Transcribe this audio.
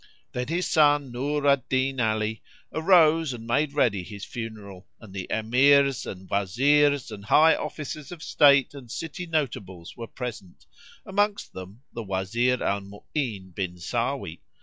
Then his son Nur al Din Ali arose and made ready his funeral, and the Emirs and Wazirs and high Officers of State and city notables were present, amongst them the Wazir al Mu'ín bin Sáwí.